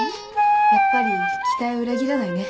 やっぱり期待を裏切らないね。